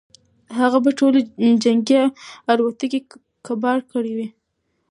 هغه به ټولې جنګي الوتکې کباړ کړې وي.